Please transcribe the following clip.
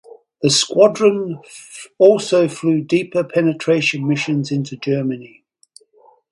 The squadron also flew deeper penetration missions into Germany.